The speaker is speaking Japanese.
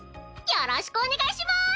よろしくお願いします！